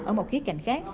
ở một khía cạnh khác